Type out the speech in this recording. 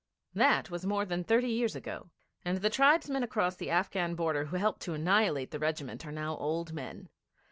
That was more than thirty years ago, and the tribesmen across the Afghan border who helped to annihilate the regiment are now old men.